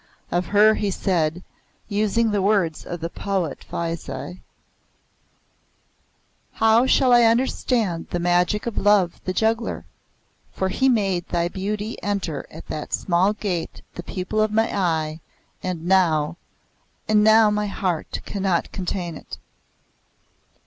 Of her he said, using the words of the poet Faisi, "How shall I understand the magic of Love the Juggler? For he made thy beauty enter at that small gate the pupil of my eye, And now and now my heart cannot contain it!"